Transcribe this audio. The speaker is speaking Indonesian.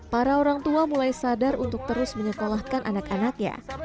para orang tua mulai sadar untuk terus menyekolahkan anak anaknya